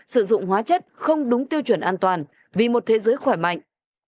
sử dụng hóa chất không đúng tiêu chuẩn an toàn vì một thế giới khỏe mạnh